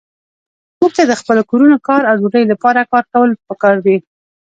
موږ ته د خپلو کورونو، کار او ډوډۍ لپاره کار کول پکار دي.